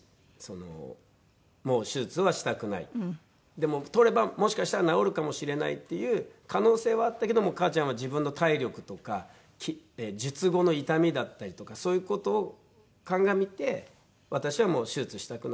でも取ればもしかしたら治るかもしれないっていう可能性はあったけど母ちゃんは自分の体力とか術後の痛みだったりとかそういう事を鑑みて私はもう手術したくない。